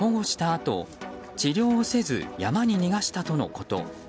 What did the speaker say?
あと治療をせず山に逃がしたとのこと。